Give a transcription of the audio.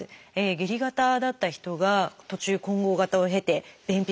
下痢型だった人が途中混合型を経て便秘型になる。